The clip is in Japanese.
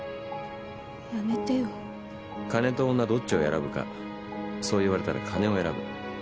金と女どっちを選ぶかそう言われたら金を選ぶ。